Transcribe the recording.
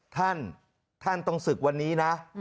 ท่านท่านต้องศึกวันนี้นะ